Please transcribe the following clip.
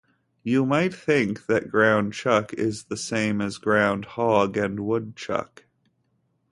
You might think that ground chuck is the same as groundhog and woodchuck.